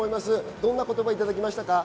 どんな言葉をいただきましたか？